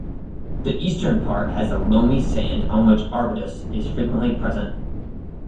The eastern part has a loamy sand on which arbutus is frequently present.